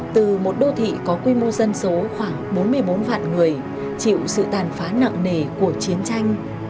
từ một đô thị có quy mô dân số khoảng bốn mươi bốn vạn người chịu sự tàn phá nặng nề của chiến tranh